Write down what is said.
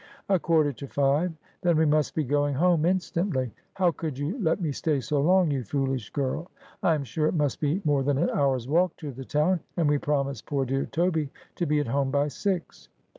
' A quarter to five.' ' Then we must be going home instantly. How could you let me stay so long, you foolish girl ? I am sure it must be more than an hour's walk to the town, and we promised poor dear Toby to be home by six.'